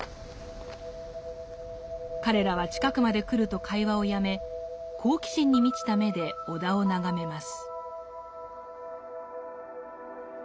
彼らは近くまで来ると会話をやめ好奇心に満ちた目で尾田を眺めます。